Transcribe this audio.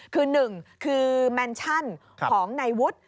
คือ๑คือแมนชั่นของนายวุฒิ